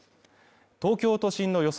東京都心の予想